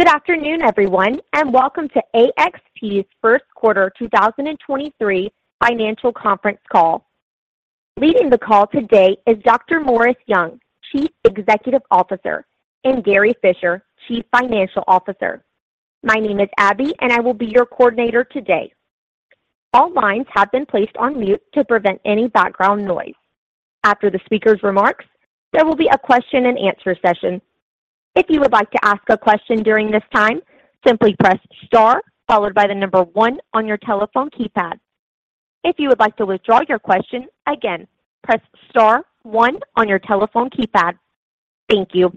Good afternoon, everyone, and welcome to AXT's first quarter 2023 financial conference call. Leading the call today is Dr. Morris Young, Chief Executive Officer, and Gary Fischer, Chief Financial Officer. My name is Abby, and I will be your coordinator today. All lines have been placed on mute to prevent any background noise. After the speaker's remarks, there will be a question-and-answer session. If you would like to ask a question during this time, simply press star followed by the number one on your telephone keypad. If you would like to withdraw your question, again, press star one on your telephone keypad. Thank you.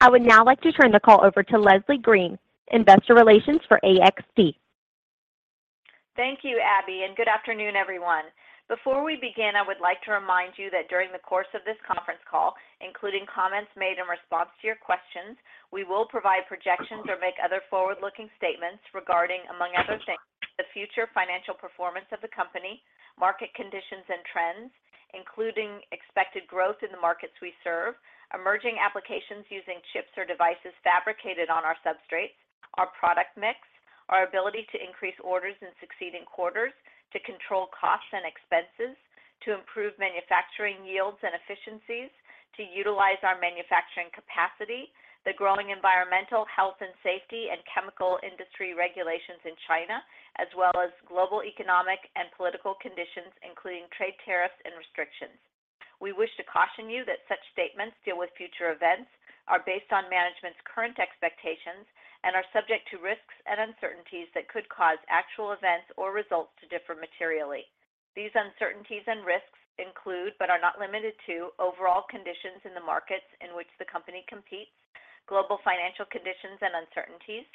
I would now like to turn the call over to Leslie Green, Investor Relations for AXT. Thank you, Abby, and good afternoon, everyone. Before we begin, I would like to remind you that during the course of this conference call, including comments made in response to your questions, we will provide projections or make other forward-looking statements regarding, among other things, the future financial performance of the company, market conditions and trends, including expected growth in the markets we serve, emerging applications using chips or devices fabricated on our substrates, our product mix, our ability to increase orders in succeeding quarters, to control costs and expenses, to improve manufacturing yields and efficiencies, to utilize our manufacturing capacity, the growing environmental, health and safety, and chemical industry regulations in China, as well as global economic and political conditions, including trade tariffs and restrictions. We wish to caution you that such statements deal with future events, are based on management's current expectations, and are subject to risks and uncertainties that could cause actual events or results to differ materially. These uncertainties and risks include, but are not limited to, overall conditions in the markets in which the company competes, global financial conditions and uncertainties,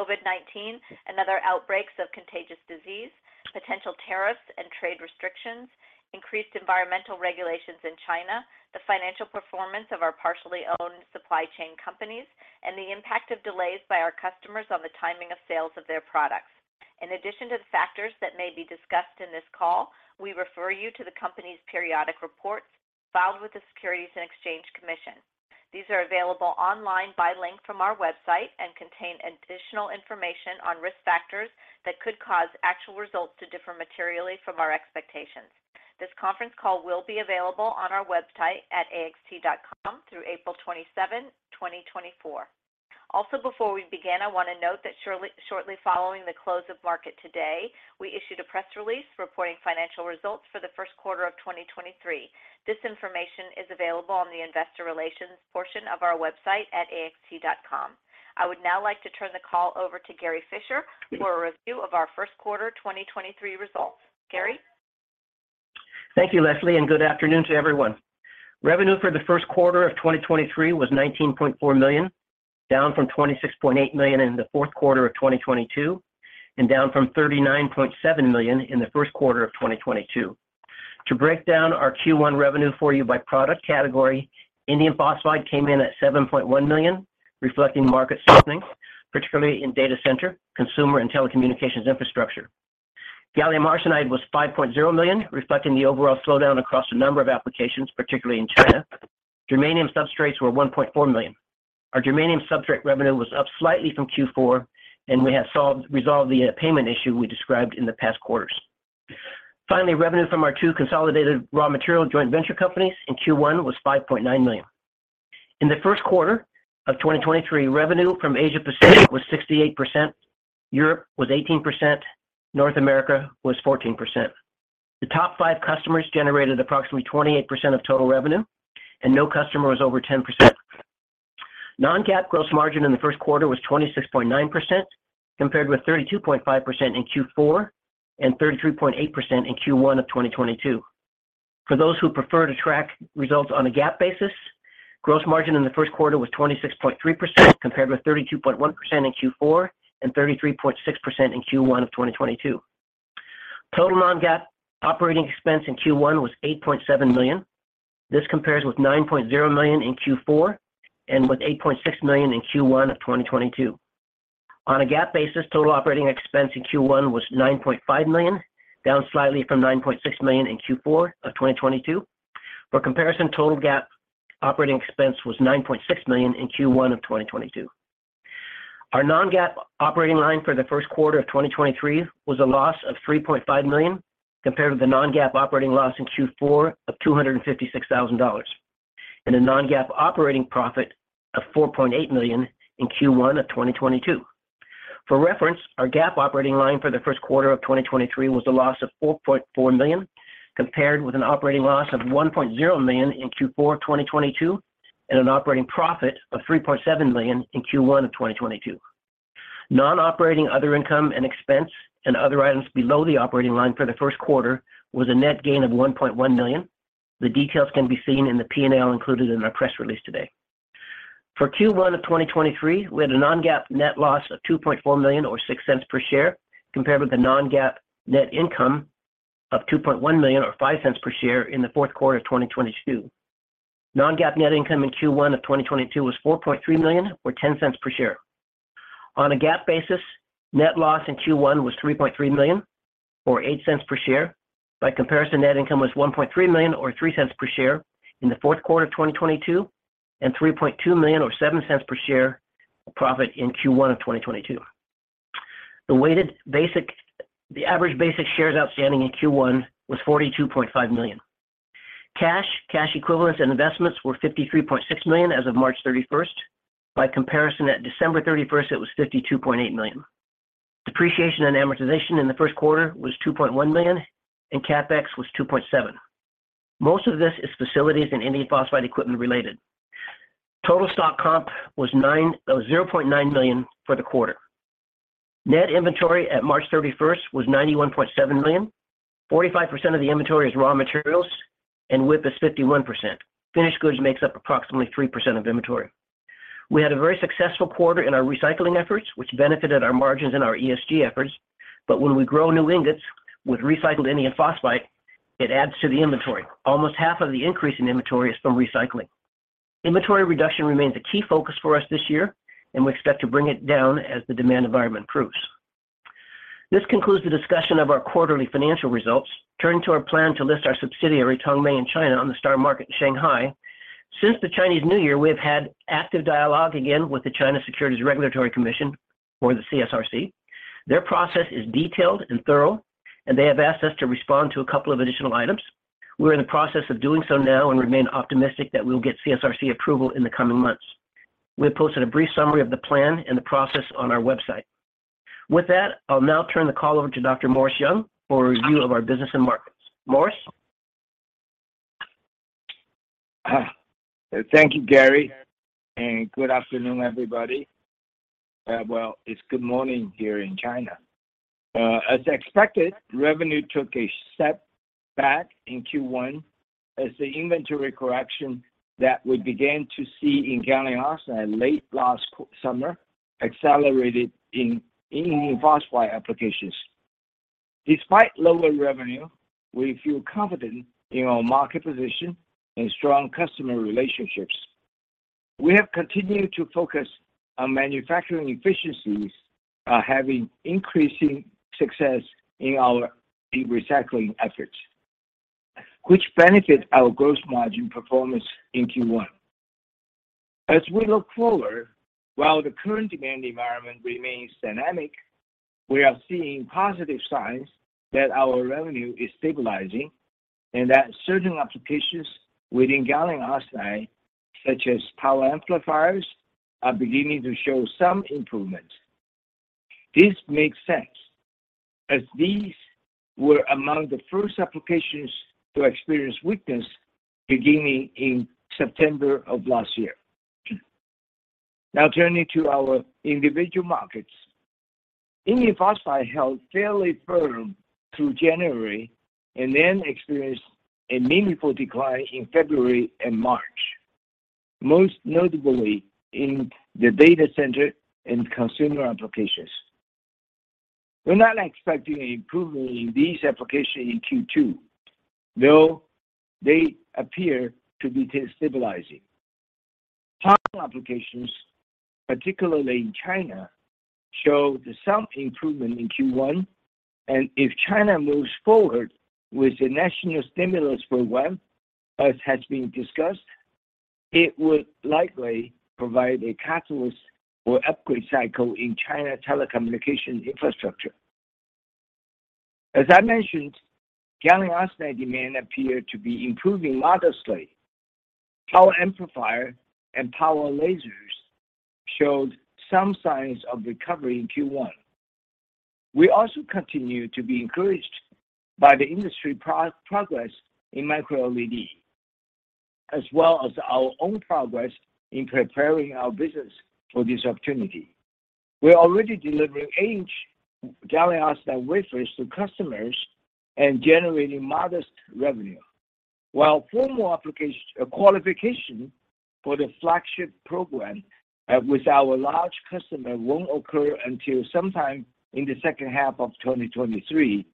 COVID-19 and other outbreaks of contagious disease, potential tariffs and trade restrictions, increased environmental regulations in China, the financial performance of our partially owned supply chain companies, and the impact of delays by our customers on the timing of sales of their products. In addition to the factors that may be discussed in this call, we refer you to the company's periodic reports filed with the Securities and Exchange Commission. These are available online by link from our website and contain additional information on risk factors that could cause actual results to differ materially from our expectations. This conference call will be available on our website at axt.com through April 27th, 2024. Also before we begin, I want to note that shortly following the close of market today, we issued a press release reporting financial results for the first quarter of 2023. This information is available on the investor relations portion of our website at axt.com. I would now like to turn the call over to Gary Fischer for a review of our first quarter 2023 results. Gary. Thank you, Leslie. Good afternoon to everyone. Revenue for the first quarter of 2023 was $19.4 million, down from $26.8 million in the fourth quarter of 2022, and down from $39.7 million in the first quarter of 2022. To break down our Q1 revenue for you by product category, indium phosphide came in at $7.1 million, reflecting market strengthening, particularly in data center, consumer and telecommunications infrastructure. Gallium arsenide was $5.0 million, reflecting the overall slowdown across a number of applications, particularly in China. Germanium substrates were $1.4 million. Our germanium substrate revenue was up slightly from Q4, and we have resolved the payment issue we described in the past quarters. Finally, revenue from our two consolidated raw material joint venture companies in Q1 was $5.9 million. In the first quarter of 2023, revenue from Asia Pacific was 68%, Europe was 18%, North America was 14%. The top five customers generated approximately 28% of total revenue, and no customer was over 10%. Non-GAAP gross margin in the first quarter was 26.9% compared with 32.5% in Q4 and 33.8% in Q1 of 2022. For those who prefer to track results on a GAAP basis, gross margin in the first quarter was 26.3% compared with 32.1% in Q4 and 33.6% in Q1 of 2022. Total non-GAAP operating expense in Q1 was $8.7 million. This compares with $9.0 million in Q4 and with $8.6 million in Q1 of 2022. On a GAAP basis, total operating expense in Q1 was $9.5 million, down slightly from $9.6 million in Q4 of 2022. For comparison, total GAAP operating expense was $9.6 million in Q1 of 2022. Our non-GAAP operating line for the first quarter of 2023 was a loss of $3.5 million, compared with the non-GAAP operating loss in Q4 of $256,000, and a non-GAAP operating profit of $4.8 million in Q1 of 2022. For reference, our GAAP operating line for the first quarter of 2023 was a loss of $4.4 million, compared with an operating loss of $1.0 million in Q4 of 2022 and an operating profit of $3.7 million in Q1 of 2022. Non-operating other income and expense and other items below the operating line for the first quarter was a net gain of $1.1 million. The details can be seen in the P&L included in our press release today. For Q1 of 2023, we had a non-GAAP net loss of $2.4 million or $0.06 per share, compared with the non-GAAP net income of $2.1 million or $0.05 per share in the fourth quarter of 2022. Non-GAAP net income in Q1 of 2022 was $4.3 million or $0.10 per share. On a GAAP basis, net loss in Q1 was $3.3 million, or $0.08 per share. Net income was $1.3 million, or $0.03 per share in the fourth quarter of 2022, and $3.2 million, or $0.07 per share profit in Q1 of 2022. The average basic shares outstanding in Q1 was 42.5 million. Cash, cash equivalents, and investments were $53.6 million as of March 31st. At December 31st, it was $52.8 million. Depreciation and amortization in the first quarter was $2.1 million, and CapEx was $2.7 million. Most of this is facilities and indium phosphide equipment related. Total stock comp was $0.9 million for the quarter. Net inventory at March 31st was $91.7 million. 45% of the inventory is raw materials, and WIP is 51%. Finished goods makes up approximately 3% of inventory. We had a very successful quarter in our recycling efforts, which benefited our margins and our ESG efforts. When we grow new ingots with recycled indium phosphide, it adds to the inventory. Almost half of the increase in inventory is from recycling. Inventory reduction remains a key focus for us this year, and we expect to bring it down as the demand environment improves. This concludes the discussion of our quarterly financial results. Turning to our plan to list our subsidiary, Tongmei, in China on the STAR Market in Shanghai. Since the Chinese New Year, we have had active dialogue again with the China Securities Regulatory Commission or the CSRC. Their process is detailed and thorough, and they have asked us to respond to a couple of additional items. We're in the process of doing so now and remain optimistic that we'll get CSRC approval in the coming months. We have posted a brief summary of the plan and the process on our website. With that, I'll now turn the call over to Dr. Morris Young for a review of our business and markets. Morris? Thank you, Gary. Good afternoon, everybody. Well, it's good morning here in China. As expected, revenue took a step back in Q1 as the inventory correction that we began to see in gallium arsenide late last summer accelerated in indium phosphide applications. Despite lower revenue, we feel confident in our market position and strong customer relationships. We have continued to focus on manufacturing efficiencies, having increasing success in our recycling efforts, which benefit our gross margin performance in Q1. We look forward, while the current demand environment remains dynamic, we are seeing positive signs that our revenue is stabilizing and that certain applications within gallium arsenide, such as power amplifiers, are beginning to show some improvement. This makes sense, as these were among the first applications to experience weakness beginning in September of last year. Turning to our individual markets. Indium phosphide held fairly firm through January and then experienced a meaningful decline in February and March, most notably in the data center and consumer applications. We're not expecting an improvement in these applications in Q2, though they appear to be stabilizing. If China moves forward with the national stimulus program, as has been discussed, it would likely provide a catalyst for upgrade cycle in China telecommunication infrastructure. As I mentioned, gallium arsenide demand appeared to be improving modestly. Power amplifier and power lasers showed some signs of recovery in Q1. We also continue to be encouraged by the industry progress in microLED, as well as our own progress in preparing our business for this opportunity. We're already delivering 8-inch gallium arsenide wafers to customers and generating modest revenue. While formal qualification for the flagship program with our large customer won't occur until sometime in the second half of 2023,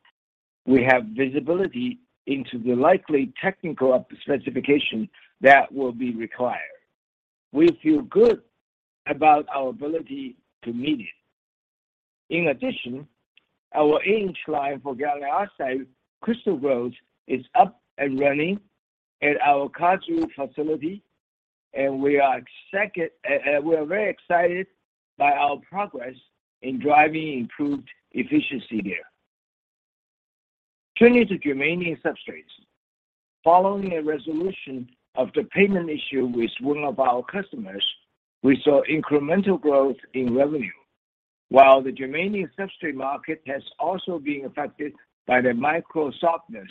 we have visibility into the likely technical specification that will be required. We feel good about our ability to meet it. In addition, our 8-inch line for gallium arsenide crystal growth is up and running at our Kaihua facility, and we are very excited by our progress in driving improved efficiency there. Turning to germanium substrates. Following a resolution of the payment issue with one of our customers, we saw incremental growth in revenue. While the germanium substrate market has also been affected by the micro softness,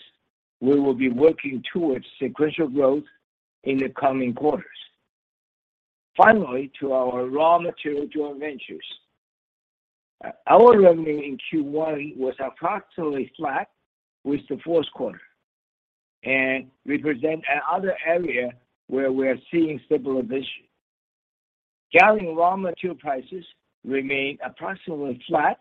we will be working towards sequential growth in the coming quarters. Finally, to our raw material joint ventures. Our revenue in Q1 was approximately flat with the fourth quarter and represent another area where we are seeing stabilization. gallium raw material prices remained approximately flat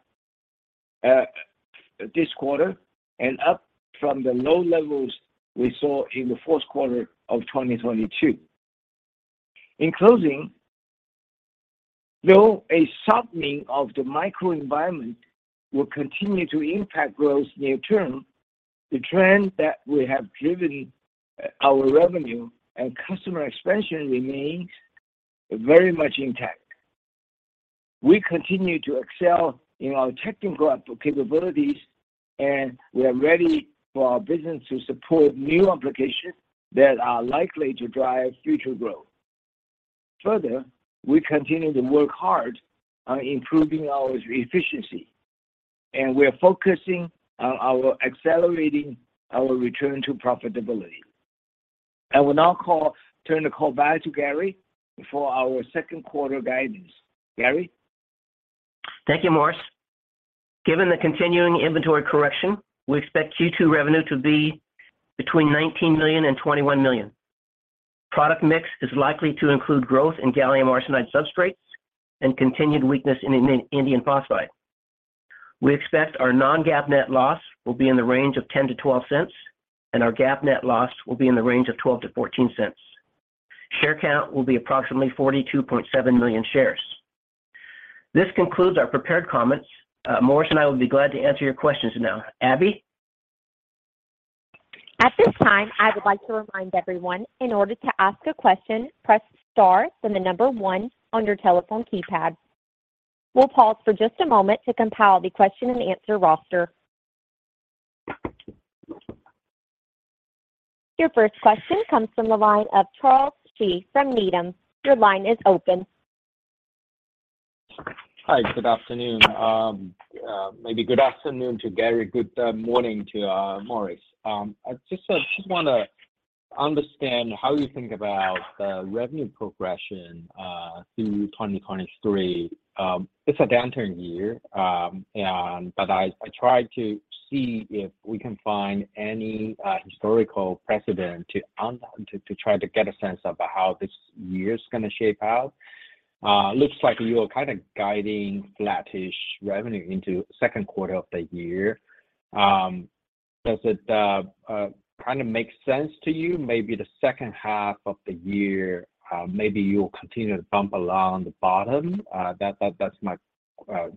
this quarter and up from the low levels we saw in the fourth quarter of 2022. In closing. Though a softening of the microenvironment will continue to impact growth near term, the trend that we have driven our revenue and customer expansion remains very much intact. We continue to excel in our technical capabilities, and we are ready for our business to support new applications that are likely to drive future growth. Further, we continue to work hard on improving our efficiency, and we are focusing on accelerating our return to profitability. I will now turn the call back to Gary for our second quarter guidance. Gary? Thank you, Morris. Given the continuing inventory correction, we expect Q2 revenue to be between $19 million and $21 million. Product mix is likely to include growth in gallium arsenide substrates and continued weakness in indium phosphide. We expect our non-GAAP net loss will be in the range of $0.10-$0.12, and our GAAP net loss will be in the range of $0.12-$0.14. Share count will be approximately 42.7 million shares. This concludes our prepared comments. Morris and I will be glad to answer your questions now. Abby? At this time, I would like to remind everyone, in order to ask a question, press star, then the number one on your telephone keypad. We'll pause for just a moment to compile the question and answer roster. Your first question comes from the line of Charles Shi from Needham. Your line is open. Hi. Good afternoon. Maybe good afternoon to Gary, good morning to Morris. I just wanna understand how you think about the revenue progression through 2023. It's a downturn year, and but I tried to see if we can find any historical precedent to try to get a sense of how this year's gonna shape out. Looks like you're kind of guiding flattish revenue into second quarter of the year. Does it kind of make sense to you maybe the second half of the year, maybe you'll continue to bump along the bottom? That's my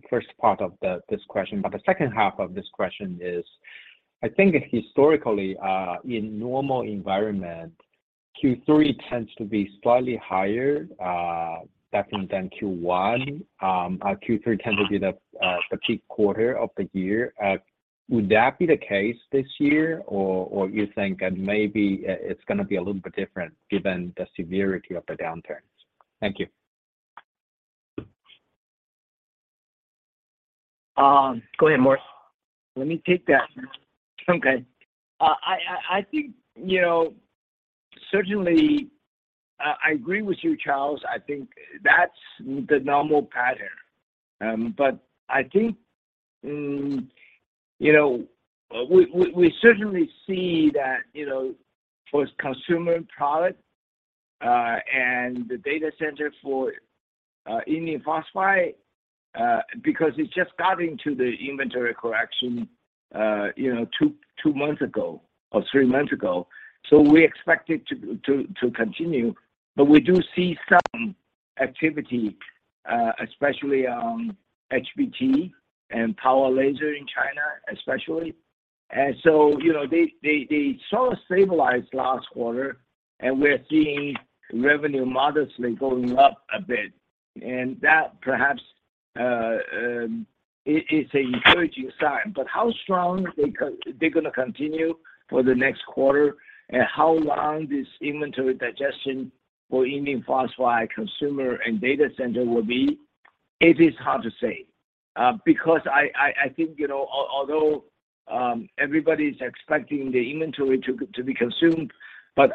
first part of the, this question. The second half of this question is, I think historically, in normal environment, Q3 tends to be slightly higher, definitely than Q1. Q3 tends to be the peak quarter of the year. Would that be the case this year, or you think maybe it's gonna be a little bit different given the severity of the downturns? Thank you. Go ahead, Morris. Let me take that. Okay. I think, you know, certainly, I agree with you, Charles. I think that's the normal pattern. I think, you know, we certainly see that, you know, for consumer product and the data center for indium phosphide, because it's just got into the inventory correction, you know, two months ago or three months ago, so we expect it to continue. We do see some activity, especially on HBT and power laser in China, especially. You know, they saw a stabilize last quarter, and we're seeing revenue modestly going up a bit. That perhaps is a encouraging sign. How strong they're gonna continue for the next quarter and how long this inventory digestion for indium phosphide consumer and data center will be, it is hard to say. Because I think, you know, although everybody's expecting the inventory to be consumed, but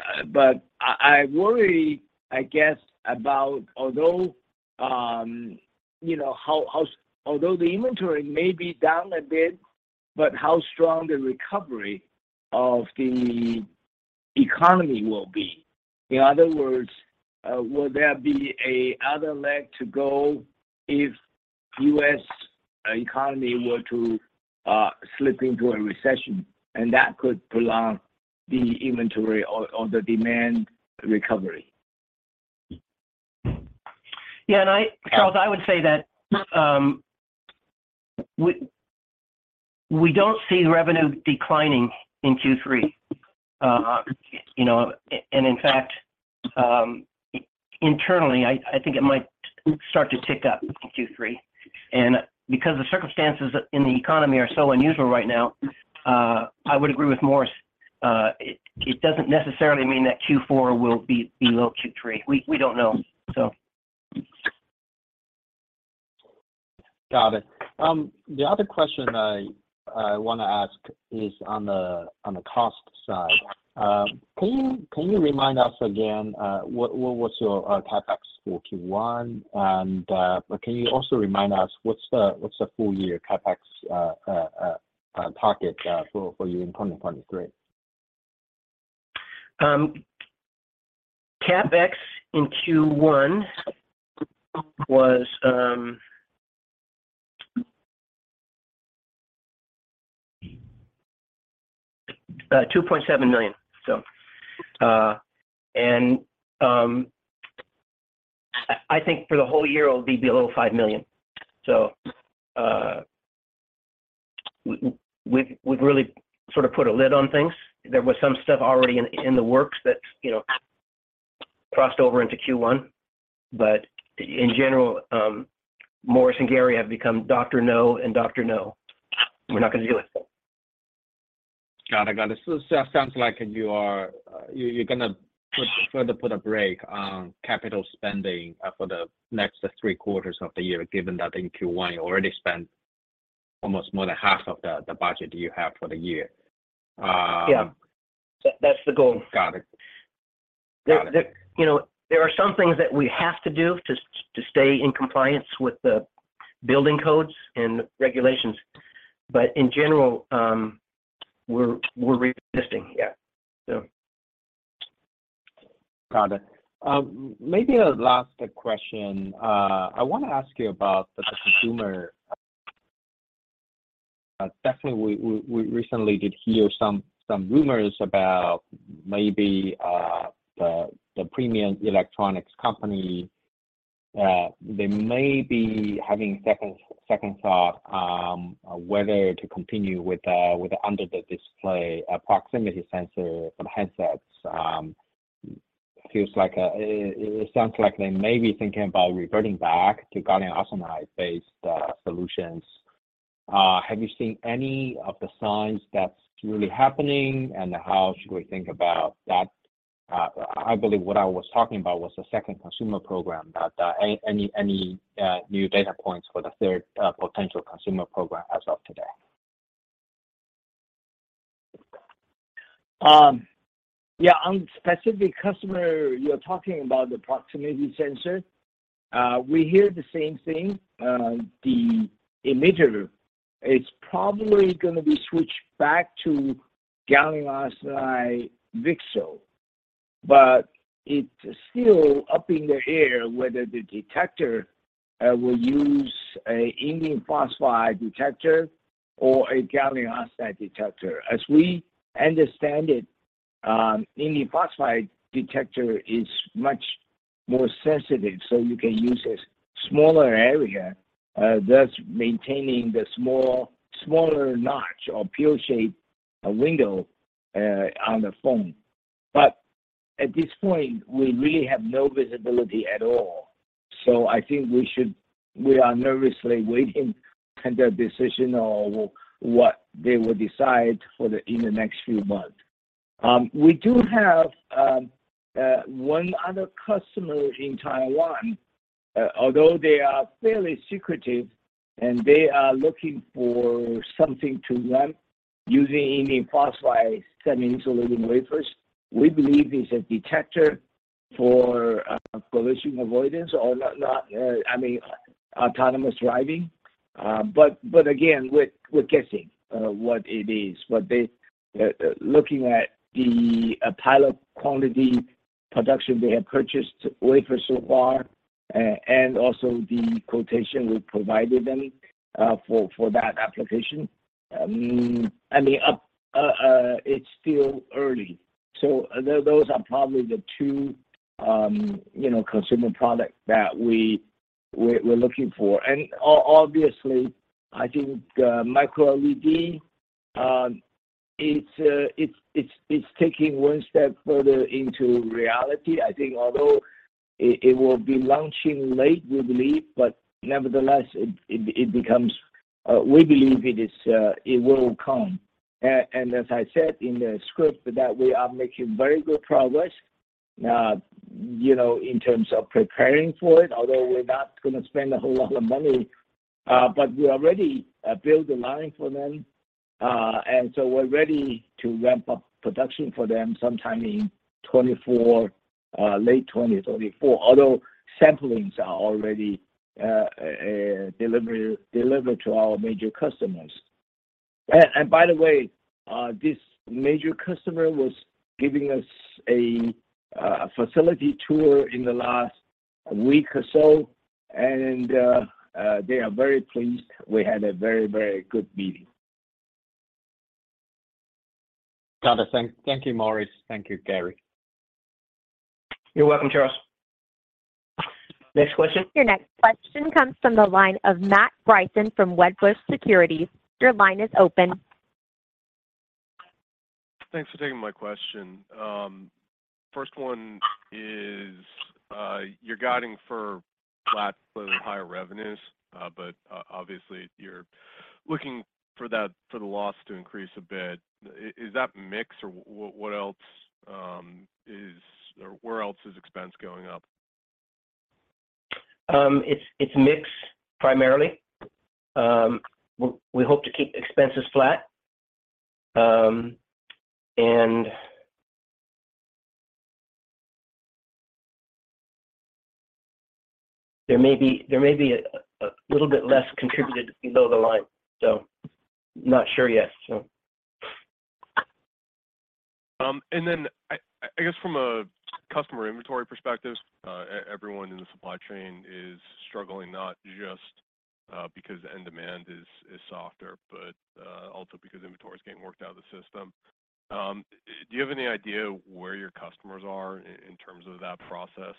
I worry, I guess, about although, you know, although the inventory may be down a bit, but how strong the recovery of the economy will be. In other words, will there be a other leg to go if U.S. economy were to slip into a recession? That could prolong the inventory or the demand recovery. Yeah. I... Charles, I would say that we don't see revenue declining in Q3. You know, in fact, internally, I think it might start to tick up in Q3. Because the circumstances in the economy are so unusual right now, I would agree with Morris. It doesn't necessarily mean that Q4 will be below Q3. We don't know. So... Got it. The other question I wanna ask is on the cost side. Can you remind us again, what was your CapEx for Q1, and, can you also remind us what's the full year CapEx target for you in 2023? CapEx in Q1 was $2.7 million. I think for the whole year it will be below $5 million. We've really sort of put a lid on things. There was some stuff already in the works that, you know, crossed over into Q1, but in general, Morris and Gary have become Dr. No and Dr. No. We're not gonna do it. Got it. Sounds like you are you're gonna further put a brake on capital spending for the next three quarters of the year, given that in Q1 you already spent almost more than half of the budget you have for the year. Yeah. That, that's the goal. Got it. Got it. The, you know, there are some things that we have to do to stay in compliance with the building codes and regulations, but in general, we're resisting. Yeah. So. Got it. Maybe a last question. I wanna ask you about the consumer. Definitely we recently did hear some rumors about maybe the premium electronics company, they may be having second thought whether to continue with the under the display proximity sensor for headsets. Feels like it sounds like they may be thinking about reverting back to gallium arsenide-based solutions. Have you seen any of the signs that's really happening, and how should we think about that? I believe what I was talking about was the second consumer program, not any new data points for the third potential consumer program as of today. Yeah, on specific customer, you're talking about the proximity sensor. We hear the same thing. The emitter is probably gonna be switched back to gallium arsenide VCSEL. It's still up in the air whether the detector will use a indium phosphide detector or a gallium arsenide detector. As we understand it, indium phosphide detector is much more sensitive, so you can use a smaller area, thus maintaining the smaller notch or pill-shaped window on the phone. At this point, we really have no visibility at all, so I think we are nervously waiting on their decision or what they will decide for the, in the next few months. We do have one other customer in Taiwan, although they are fairly secretive, and they are looking for something to ramp using indium phosphide semi-insulating wafers. We believe it's a detector for collision avoidance or not, I mean, autonomous driving. Again, we're guessing what it is. They, looking at the pilot quantity production they have purchased wafer so far, and also the quotation we provided them for that application. I mean, up, it's still early. Those are probably the two, you know, consumer product that we're looking for. Obviously, I think, microLED, it's taking one step further into reality. I think although it will be launching late, we believe, but nevertheless, it becomes, we believe it is, it will come. As I said in the script that we are making very good progress, you know, in terms of preparing for it, although we're not gonna spend a whole lot of money. We already built a line for them. We're ready to ramp up production for them sometime in 2024, late 2023, 2024. Although samplings are already delivered to our major customers. By the way, this major customer was giving us a facility tour in the last week or so, and they are very pleased. We had a very good meeting. Got it. Thank you, Morris. Thank you, Gary. You're welcome, Charles. Next question. Your next question comes from the line of Matt Bryson from Wedbush Securities. Your line is open. Thanks for taking my question. First one is, you're guiding for flat to little higher revenues, but obviously, you're looking for that, for the loss to increase a bit. Is that mix or what else or where else is expense going up? It's mix primarily. We hope to keep expenses flat. There may be a little bit less contributed below the line, so not sure yet, so. Then I guess from a customer inventory perspective, everyone in the supply chain is struggling not just because end demand is softer, but also because inventory is getting worked out of the system. Do you have any idea where your customers are in terms of that process?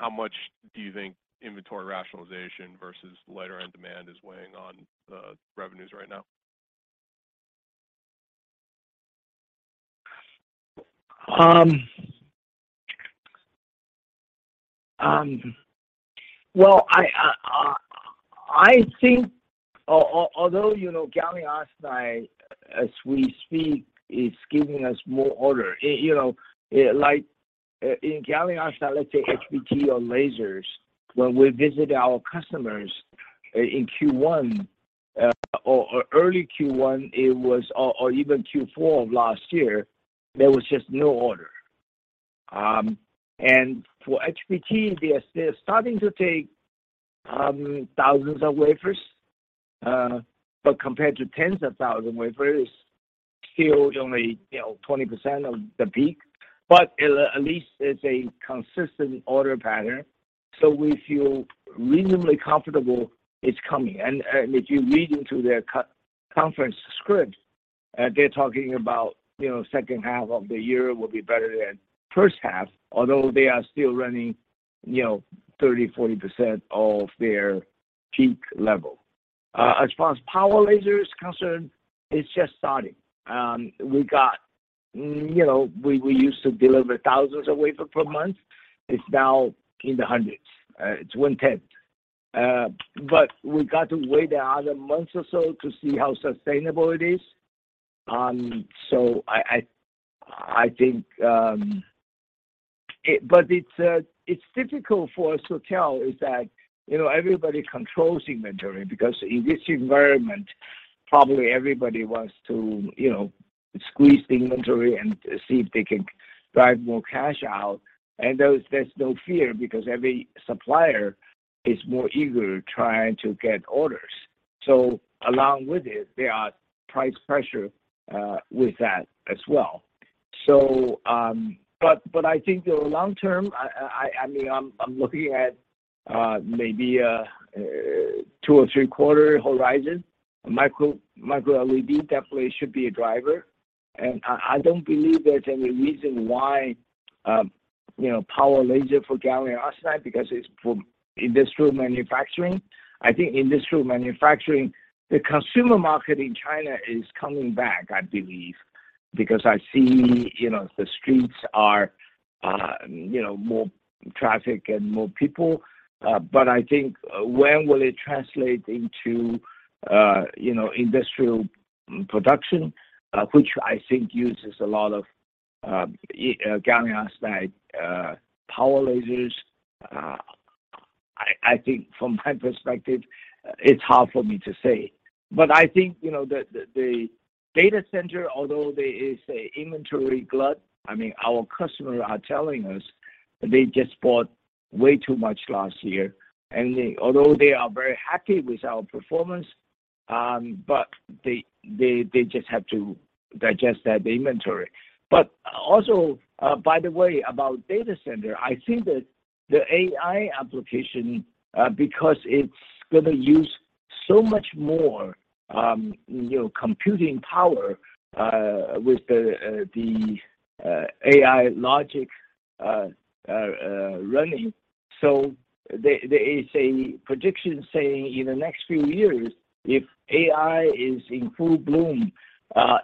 How much do you think inventory rationalization versus lighter end demand is weighing on the revenues right now? Well, I think although, you know, gallium arsenide as we speak is giving us more order. You know, like in gallium arsenide, let's say HBT or lasers, when we visited our customers in Q1, or early Q1, it was. Or even Q4 of last year, there was just no order. For HBT, they're starting to take thousands of wafers. Compared to tens of thousand wafers, it's still only, you know, 20% of the peak. At least it's a consistent order pattern, so we feel reasonably comfortable it's coming. If you read into their conference script, they're talking about, you know, second half of the year will be better than first half, although they are still running, you know, 30%, 40% of their peak level. As far as power laser is concerned, it's just starting. We got, you know, we used to deliver thousands of wafer per month. It's now in the hundreds. It's one-tenth. We got to wait another month or so to see how sustainable it is. I think, it's difficult for us to tell is that, you know, everybody controls inventory because in this environment, probably everybody wants to, you know, squeeze the inventory and see if they can drive more cash out. There's no fear because every supplier is more eager trying to get orders. Along with it, there are price pressure with that as well. I think the long term, I mean, I'm looking at maybe a two or three quarter horizon. microLED definitely should be a driver. I don't believe there's any reason why, you know, power laser for gallium arsenide, because it's for industrial manufacturing. I think industrial manufacturing, the consumer market in China is coming back, I believe, because I see, you know, the streets are, you know, more traffic and more people. I think when will it translate into, you know, industrial production, which I think uses a lot of gallium arsenide power lasers. I think from my perspective, it's hard for me to say. I think, you know, the data center, although there is a inventory glut, I mean, our customers are telling us they just bought way too much last year, and although they are very happy with our performance, they just have to digest that inventory. Also, by the way, about data center, I think that the AI application, because it's gonna use so much more, you know, computing power, with the AI logic running. There is a prediction saying in the next few years, if AI is in full bloom,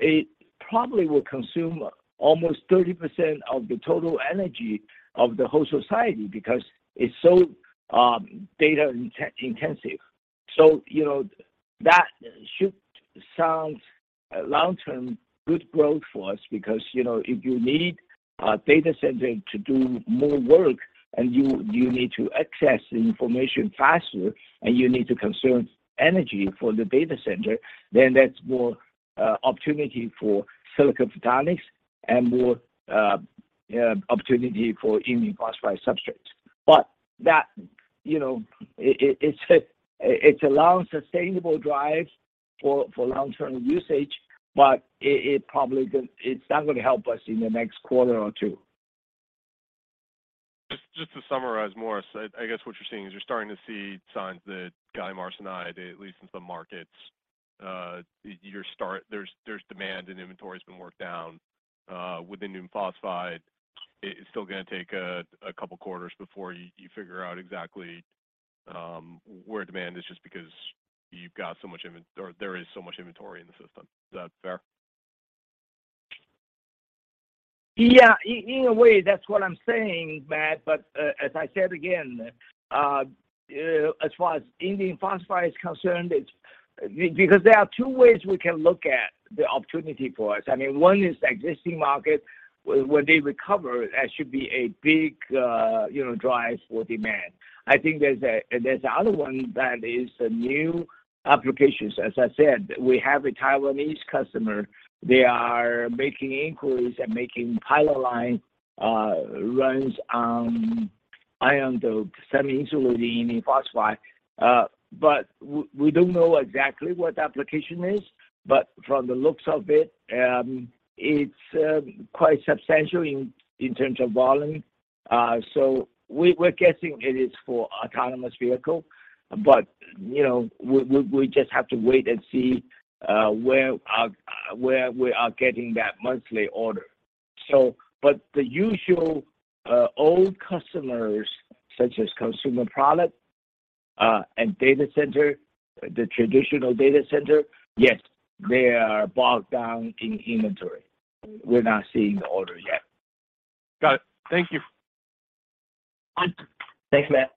it probably will consume almost 30% of the total energy of the whole society because it's so data-intensive. you know, that should sound long-term good growth for us because, you know, if you need a data center to do more work and you need to access information faster, and you need to conserve energy for the data center, then that's more opportunity for silicon photonics and more opportunity for indium phosphide substrates. That, you know, it, it's a, it's a long sustainable drive for long-term usage, but it probably It's not gonna help us in the next quarter or two. Just to summarize, Morris, I guess what you're seeing is you're starting to see signs that gallium arsenide, at least in some markets, there's demand and inventory's been worked down. With indium phosphide, it's still gonna take a couple quarters before you figure out exactly where demand is just because there is so much inventory in the system. Is that fair? Yeah. In, in a way, that's what I'm saying, Matt. As I said again, as far as indium phosphide is concerned, it's because there are two ways we can look at the opportunity for us. I mean, one is existing market. When they recover, that should be a big, you know, drive for demand. I think there's another one that is new applications. As I said, we have a Taiwanese customer. They are making inquiries and making pilot line, runs onI am the semi-insulating indium phosphide. We don't know exactly what the application is, but from the looks of it's quite substantial in terms of volume. We're guessing it is for autonomous vehicle, but, you know, we, we just have to wait and see, where our, where we are getting that monthly order. The usual, old customers, such as consumer product and data center, the traditional data center, yes, they are bogged down in inventory. We're not seeing the order yet. Got it. Thank you. Thanks, Matt.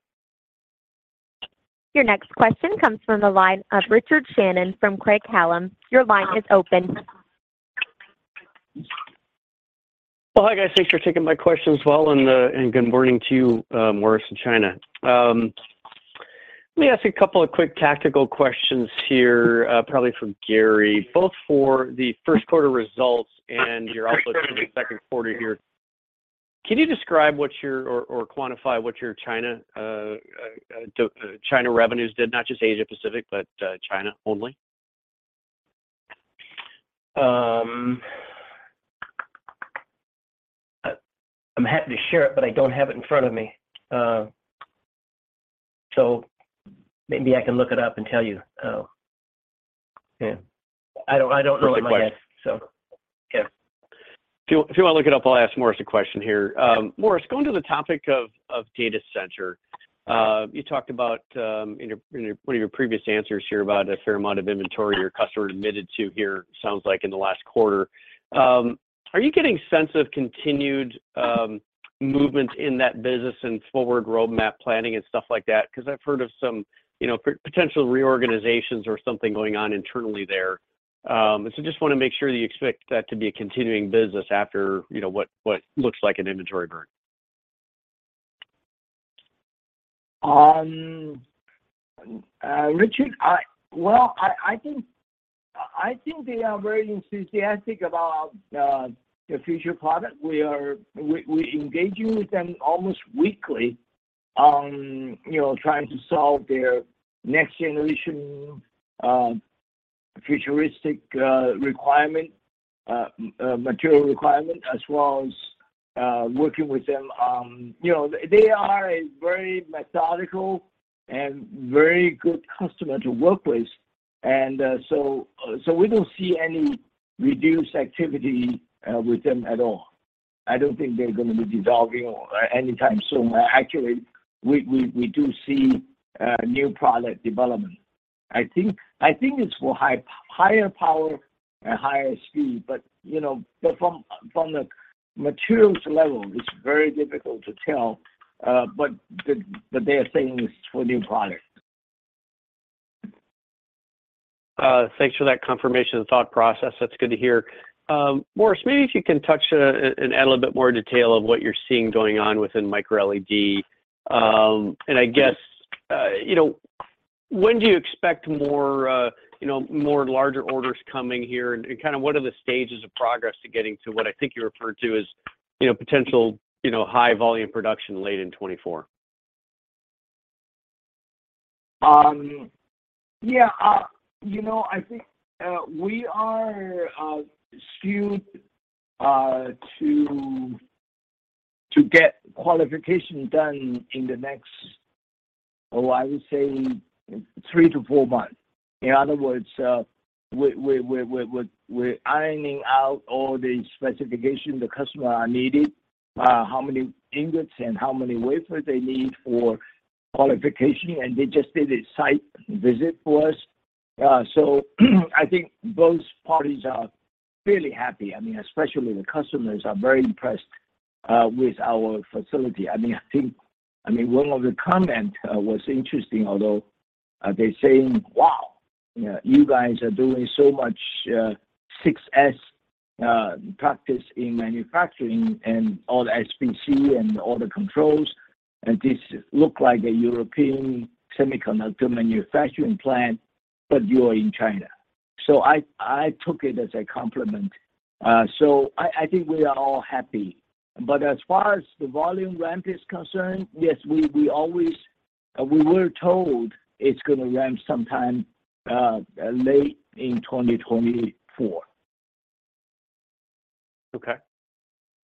Your next question comes from the line of Richard Shannon from Craig-Hallum. Your line is open. Well, hi guys. Thanks for taking my questions as well, and good morning to you, Morris in China. Let me ask you a couple of quick tactical questions here, probably for Gary, both for the first quarter results and your outlook for the second quarter here. Can you describe what your... or quantify what your China revenues did, not just Asia-Pacific, but China only? I'm happy to share it, but I don't have it in front of me. Maybe I can look it up and tell you. I don't know in my head. That's the question. Yeah. If you wanna look it up, I'll ask Morris a question here. Yeah. Morris, going to the topic of data center, you talked about in your one of your previous answers here about a fair amount of inventory your customer admitted to here, sounds like in the last quarter. Are you getting sense of continued movement in that business and forward roadmap planning and stuff like that? 'Cause I've heard of some, you know, potential reorganizations or something going on internally there. So just want to make sure you expect that to be a continuing business after, you know, what looks like an inventory burn. Richard, Well, I think they are very enthusiastic about the future product. We engaging with them almost weekly on, you know, trying to solve their next generation, futuristic, material requirement, as well as working with them on, you know. They are a very methodical and very good customer to work with. We don't see any reduced activity with them at all. I don't think they're gonna be dissolving anytime soon. Actually, we do see new product development. I think it's for higher power and higher speed, but, you know, from the materials level, it's very difficult to tell, but they are saying it's for new product. Thanks for that confirmation and thought process. That's good to hear. Morris, maybe if you can touch on and add a little bit more detail of what you're seeing going on within microLED. I guess, you know, when do you expect more, you know, more larger orders coming here, and kind of what are the stages of progress to getting to what I think you referred to as, you know, potential, you know, high volume production late in 2024? Yeah. You know, I think we are skewed to get qualification done in the next, I would say 3 to 4 months. In other words, we're ironing out all the specification the customer are needing, how many ingots and how many wafers they need for qualification, and they just did a site visit for us. I think both parties are fairly happy. I mean, especially the customers are very impressed with our facility. I mean, one of the comment was interesting, although they're saying, "Wow, you guys are doing so much 6S practice in manufacturing and all the SPC and all the controls. This look like a European semiconductor manufacturing plant, but you're in China." I took it as a compliment. I think we are all happy. As far as the volume ramp is concerned, yes, we always, we were told it's gonna ramp sometime, late in 2024. Okay.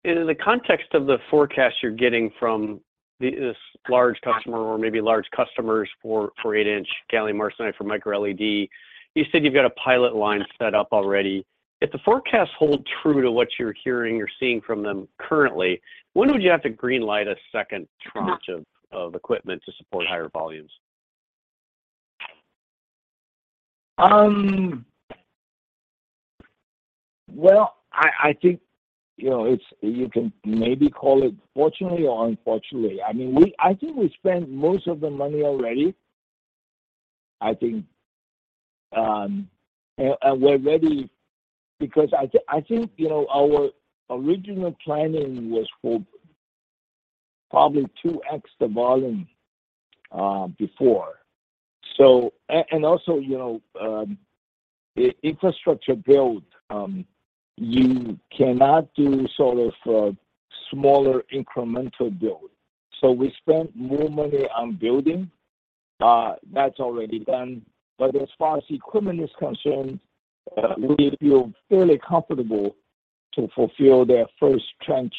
In the context of the forecast you're getting from this large customer or maybe large customers for 8-inch gallium arsenide for microLED, you said you've got a pilot line set up already. If the forecasts hold true to what you're hearing or seeing from them currently, when would you have to green light a second tranche of equipment to support higher volumes? Well, I think, you know, it's, you can maybe call it fortunately or unfortunately. I mean, we, I think we spent most of the money already. I think, and we're ready because I think, you know, our original planning was for probably 2x the volume before. And also, you know, infrastructure build, you cannot do sort of smaller incremental build. We spent more money on building, that's already done. As far as equipment is concerned, we feel fairly comfortable to fulfill the first tranche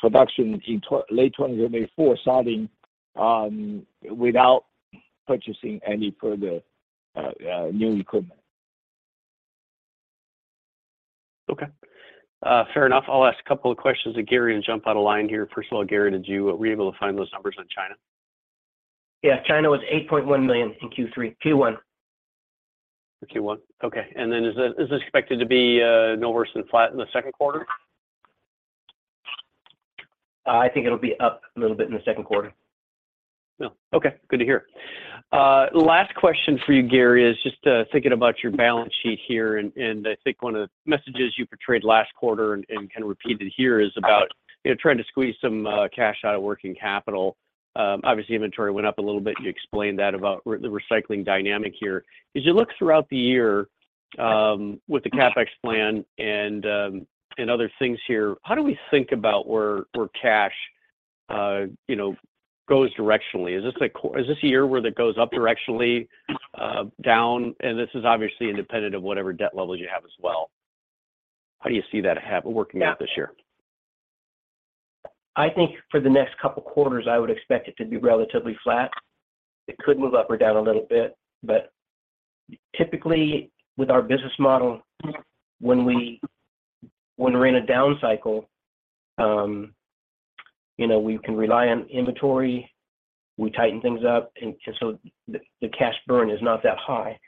production in late 2024 starting without purchasing any further new equipment. Okay. Fair enough. I'll ask a couple of questions to Gary and jump out of line here. First of all, Gary, were you able to find those numbers on China? Yeah. China was $8.1 million in Q1. Okay. Is this expected to be no worse than flat in the second quarter? I think it'll be up a little bit in the second quarter. Well, okay. Good to hear. Last question for you, Gary, is just thinking about your balance sheet here, and I think one of the messages you portrayed last quarter and kind of repeated here is about, you know, trying to squeeze some cash out of working capital. Obviously inventory went up a little bit. You explained that about the recycling dynamic here. As you look throughout the year, with the CapEx plan and other things here, how do we think about where cash, you know, goes directionally? Is this a Is this a year where that goes up directionally, down? This is obviously independent of whatever debt levels you have as well. How do you see that working out this year? I think for the next couple quarters, I would expect it to be relatively flat. It could move up or down a little bit. But typically, with our business model, when we're in a down cycle, you know, we can rely on inventory, we tighten things up, and so the cash burn is not that high.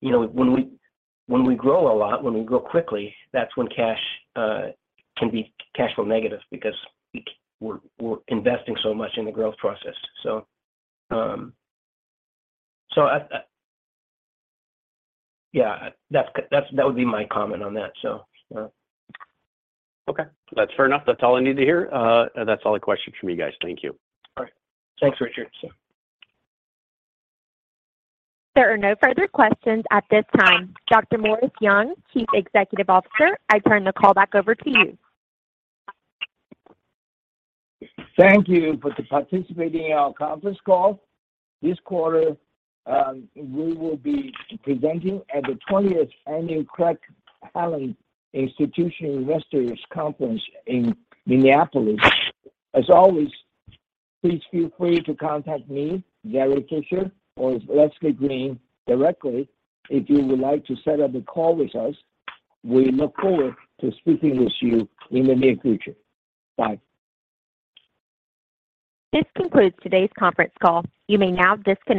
You know, when we grow a lot, when we grow quickly, that's when cash can be cash flow negative because we're investing so much in the growth process. So, so I... Yeah, that would be my comment on that, so, yeah. Okay. That's fair enough. That's all I need to hear. That's all the questions from me, guys. Thank you. All right. Thanks, Richard. Thanks. There are no further questions at this time. Dr. Morris Young, Chief Executive Officer, I turn the call back over to you. Thank you for participating in our conference call. This quarter, we will be presenting at the 20th Annual Craig-Hallum Institutional Investor Conference in Minneapolis. As always, please feel free to contact me, Gary Fischer, or Leslie Green directly if you would like to set up a call with us. We look forward to speaking with you in the near future. Bye. This concludes today's conference call. You may now disconnect.